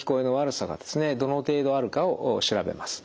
どの程度あるかを調べます。